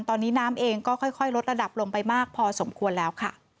ตอนนี้น้ำเองก็ค่อยลดระดับลงไปมากพอสมควรแล้วค่ะ